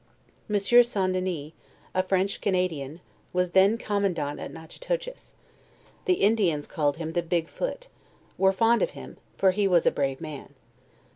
Monsieur St. Dennie, a French Can adian, was then commandant at Natchitoches; the Indians called him the Big Foot, were fond of him, for he was a brave man.